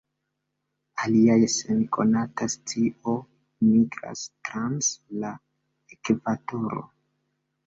Aliaj sen konata scio migras trans la Ekvatoro.